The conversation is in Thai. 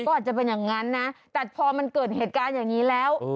ก็อาจจะเป็นอย่างนั้นนะแต่พอมันเกิดเหตุการณ์อย่างนี้แล้ว